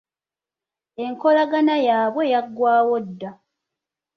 Enkolagana yaabwe yaggwawo dda.